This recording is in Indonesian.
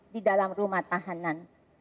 di dalam rumah tahanan